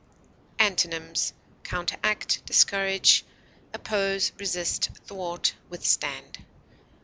Antonyms: counteract, discourage, oppose, resist, thwart, withstand.